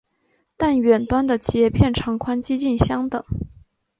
但远端的节片长宽几近相等。